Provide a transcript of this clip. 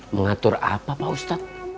mengatur apa pak ustadz